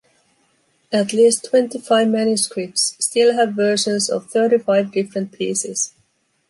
At least twenty-five manuscripts still have versions of thirty-five different pieces.